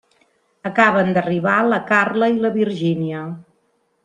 Acaben d'arribar la Carla i la Virgínia.